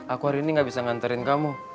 aku hari ini gak bisa nganterin kamu